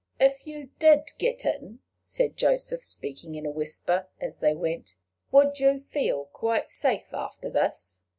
"If you did get in," said Joseph, speaking in a whisper as they went, "would you feel quite safe after this?"